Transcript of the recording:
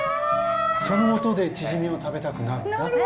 その音でチヂミを食べたくなるんだって。